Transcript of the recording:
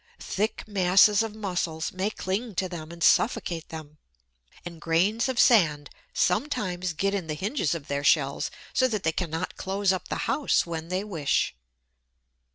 Thick masses of Mussels may cling to them and suffocate them. And grains of sand sometimes get in the hinges of their shells, so that they cannot close up the house when they wish.